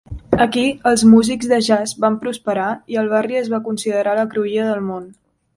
Aquí, els músics de jazz van prosperar i el barri es va considerar la cruïlla del món.